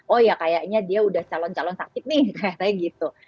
oh ya kayaknya dia udah calon calon sakit nih kayaknya gitu